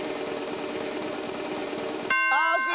あおしい！